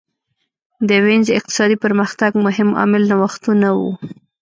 د وینز اقتصادي پرمختګ مهم عامل نوښتونه وو